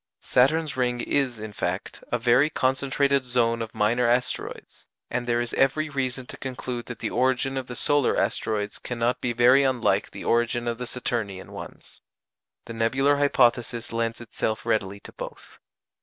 Saturn's ring is, in fact, a very concentrated zone of minor asteroids, and there is every reason to conclude that the origin of the solar asteroids cannot be very unlike the origin of the Saturnian ones. The nebular hypothesis lends itself readily to both.